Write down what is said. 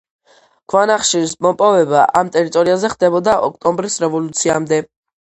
ქვანახშირის მოპოვება ამ ტერიტორიაზე ხდებოდა ოქტომბრის რევოლუციამდე.